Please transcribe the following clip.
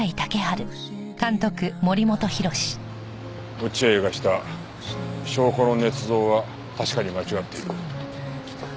落合がした証拠の捏造は確かに間違っている。